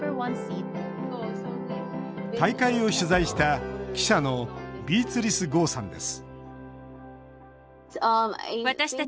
大会を取材した記者のビーツリス・ゴーさんです